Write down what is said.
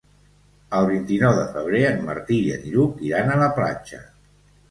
El vint-i-nou de febrer en Martí i en Lluc iran a la platja.